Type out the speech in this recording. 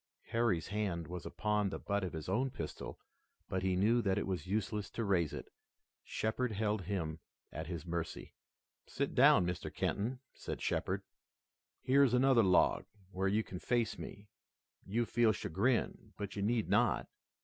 Harry's hand was upon the butt of his own pistol, but he knew that it was useless to raise it. Shepard held him at his mercy. "Sit down, Mr. Kenton," said Shepard. "Here's another log, where you can face me. You feel chagrin, but you need not.